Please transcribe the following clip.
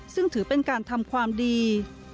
ซึ่งถือเป็นการทำความดี